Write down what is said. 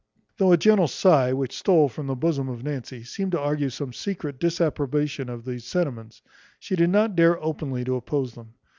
Though a gentle sigh, which stole from the bosom of Nancy, seemed to argue some secret disapprobation of these sentiments, she did not dare openly to oppose them.